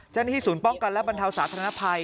เจ้าหน้าที่ศูนย์ป้องกันและบรรเทาสาธารณภัย